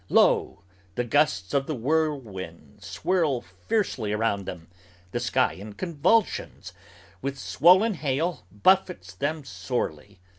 Lo! the gusts of the whirlwind swirl fiercely about them; The sky in convulsions, with swollen hail buffets them sorely.